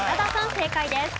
正解です。